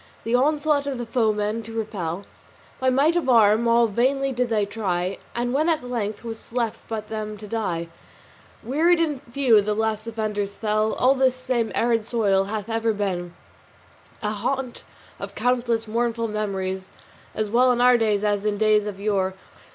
The onslaught of the foeman to repel By might of arm all vainly did they try, And when at length 'twas left them but to die, Wearied and few the last defenders fell. And this same arid soil hath ever been A haunt of countless mournful memories, As well in our day as in days of yore.